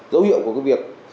dấu hiệu của cái việc